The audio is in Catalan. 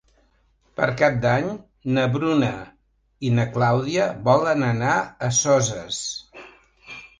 Per Cap d'Any na Bruna i na Clàudia volen anar a Soses.